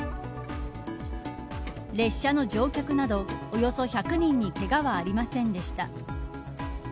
列車の乗客などおよそ１００人にけがはありませんでした。